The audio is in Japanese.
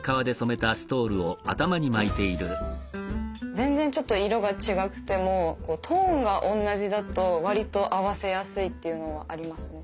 全然ちょっと色が違くてもこうトーンが同じだとわりと合わせやすいっていうのはありますね。